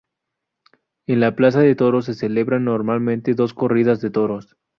En la plaza de toros se celebran normalmente dos corridas de toros.